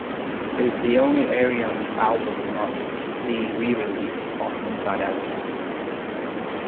It is the only Ayreon album not to see re-release on InsideOut.